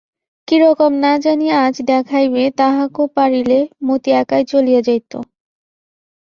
কীরকম না জানি আজ দেখাইবে তাহাকো পারিলে মতি একাই চলিয়া যাইত।